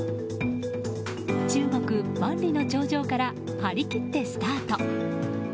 中国、万里の長城から張り切ってスタート。